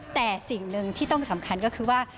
แต่สิ่งหนึ่งที่ต้องสำคัญก็คือว่า